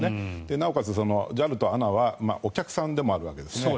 なおかつＪＡＬとＡＮＡはお客さんでもあるわけですね。